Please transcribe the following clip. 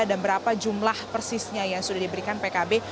dan berapa jumlah persisnya yang sudah diberikan pkb